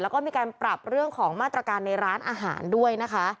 แล้วก็มีการปรับเรื่องของมาตรการในร้านอาหารด้วยนะคะ